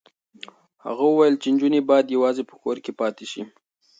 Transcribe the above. هغه وویل چې نجونې باید یوازې په کور کې پاتې شي.